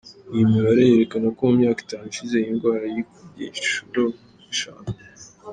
Iyi mibare yerekana ko mu myaka itanu ishize, iyi ndwara yikubye inshuro eshanu.